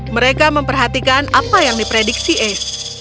mereka memperhatikan apa yang diprediksi ace